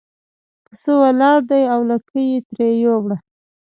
پسه ولاړ دی او لکۍ یې ترې یووړه.